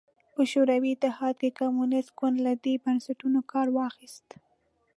په شوروي اتحاد کې کمونېست ګوند له دې بنسټونو کار واخیست